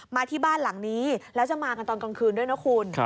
มาที่บ้านหลังนี้แล้วจะมากันตอนกลางคืนด้วยนะคุณ